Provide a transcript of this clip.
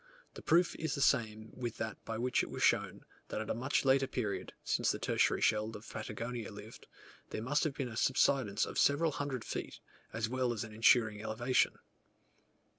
The proof is the same with that by which it was shown, that at a much later period, since the tertiary shells of Patagonia lived, there must have been there a subsidence of several hundred feet, as well as an ensuing elevation.